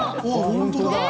本当だ。